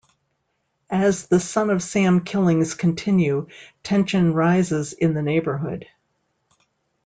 As the Son of Sam killings continue, tension rises in the neighborhood.